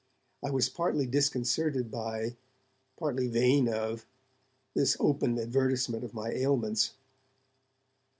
I was partly disconcerted by, partly vain of, this open advertisement of my ailments.